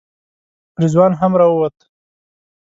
رضوان هم راووت.